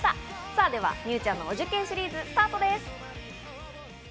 さぁ、では美羽ちゃんのお受験シリーズスタートです。